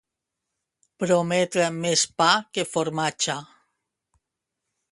Prometre més pa que formatge.